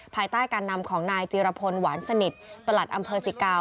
ภายใต้การนำของนายจีรพลหวานสนิทประหลัดอำเภอสิกาว